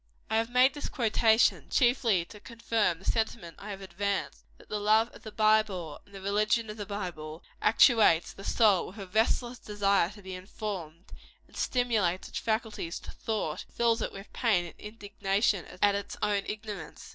I have made this quotation, chiefly to confirm the sentiment I have advanced, that the love of the Bible and the religion of the Bible, actuates the soul with "a restless desire to be informed," and stimulates its faculties to thought, and fills it with pain and indignation at its own ignorance.